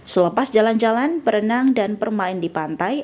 selepas jalan jalan berenang dan bermain di pantai